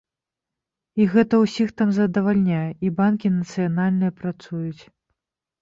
І гэта ўсіх там задавальняе, і банкі нацыянальныя працуюць.